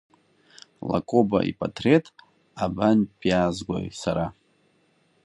Лакоба ипатреҭ абантәиаазгои сара?